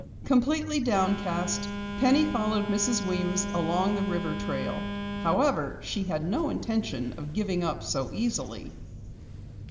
Completely downcast, Penny followed Mrs. Weems along the river trail. However, she had no intention of giving up so easily.